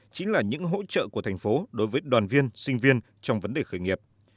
chính là những hỗ trợ của thành phố đối với đoàn viên sinh viên trong vấn đề khởi nghiệp